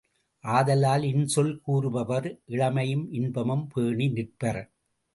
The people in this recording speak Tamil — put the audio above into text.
ஆதலால் இன்சொல் கூறுபவர் இளமையும் இன்பமும் பேணி நிற்பர்.